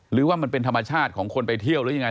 หรือว่ามันเป็นธรรมชาติของคนไปเที่ยวหรือยังไง